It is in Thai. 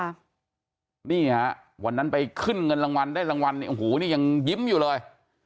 นี่ฮะวันนั้นไปขึ้นเงินรางวัลได้รางวัลเนี่ยโอ้โหนี่ยังยิ้มอยู่เลย